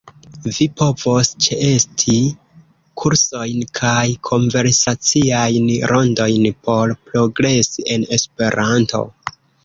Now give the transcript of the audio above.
Vi povos ĉeesti kursojn kaj konversaciajn rondojn por progresi en Esperanto.